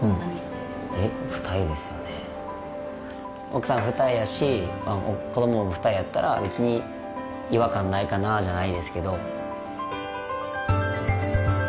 奥さん二重やし子どもも二重やったら別に違和感ないかなじゃないですけど。